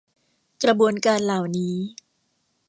กระบวนการเหล่านี้